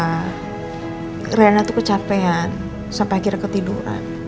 saya udah sampai akhirnya capean sampai akhirnya ketiduran